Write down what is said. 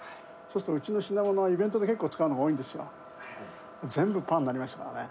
そうすっと、うちの品物はイベントで結構使うものが多いんですよ。